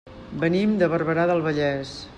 Venim de Barberà del Vallès.